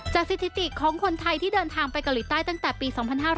สถิติของคนไทยที่เดินทางไปเกาหลีใต้ตั้งแต่ปี๒๕๕๙